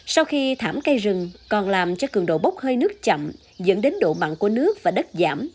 sau khi thảm cây rừng còn làm cho cường độ bốc hơi nước chậm dẫn đến độ mặn của nước và đất giảm